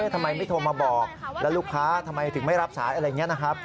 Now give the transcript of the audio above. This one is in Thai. ทำไมไม่โทรมาบอกแล้วลูกค้าทำไมถึงไม่รับสายอะไรอย่างนี้นะครับ